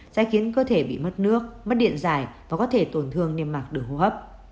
sẽ khiến cơ thể bị mất nước mất điện dài và có thể tổn thương niêm mạc đường hô hấp